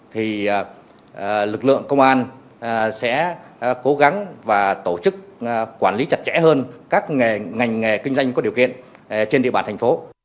thì lực lượng công an sẽ cố gắng và tổ chức quản lý chặt chẽ hơn các nghề kinh doanh có điều kiện trên địa bàn thành phố